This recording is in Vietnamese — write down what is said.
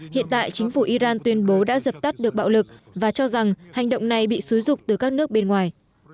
hiện tại chính phủ iran tuyên bố đã dập tắt được bạo lực và cho rằng hành động này bị xúi dục từ các nước bên ngoài